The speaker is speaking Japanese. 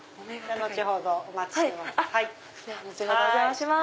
後ほどお邪魔します。